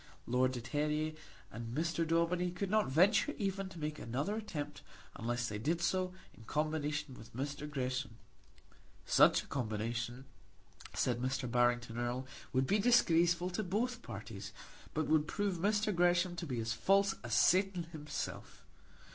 Lord de Terrier and Mr. Daubeny could not venture even to make another attempt unless they did so in combination with Mr. Gresham. Such a combination, said Mr. Barrington Erle, would be disgraceful to both parties, but would prove Mr. Gresham to be as false as Satan himself.